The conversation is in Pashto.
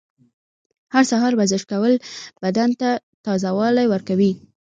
هر سهار ورزش کول بدن ته تازه والی ورکوي.